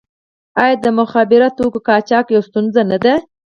آیا د مخدره توکو قاچاق یوه ستونزه نه ده؟